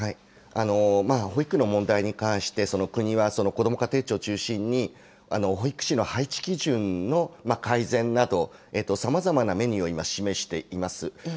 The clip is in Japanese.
保育の問題に関して、国はこども家庭庁を中心に、保育士の配置基準の改善など、さまざまなメニューを今、示しています。